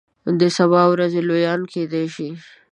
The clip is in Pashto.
د سبا ورځې لویان کیدای شي.